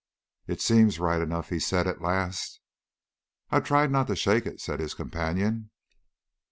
"It seems right enough," he said at last. "I tried not to shake it," said his companion.